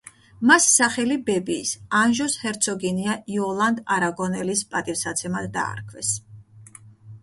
მას სახელი ბებიის, ანჟუს ჰერცოგინია იოლანდ არაგონელის პატივსაცემად დაარქვეს.